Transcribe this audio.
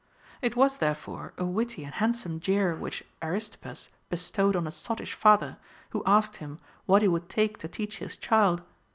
It was, therefore, a Λvitty and handsome jeer which Aristippus bestowed on a sottish father, who asked him what he would take to teach his child.